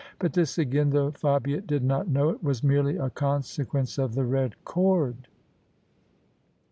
But this again — though Fabia did not know it — ^was merely a consequence of the red cord.